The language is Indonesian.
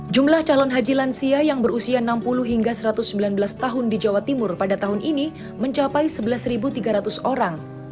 jumlah calon haji lansia yang berusia enam puluh hingga satu ratus sembilan belas tahun di jawa timur pada tahun ini mencapai sebelas tiga ratus orang